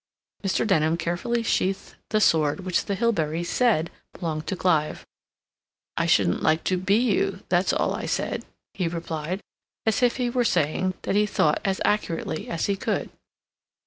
Mr. Denham carefully sheathed the sword which the Hilberys said belonged to Clive. "I shouldn't like to be you; that's all I said," he replied, as if he were saying what he thought as accurately as he could.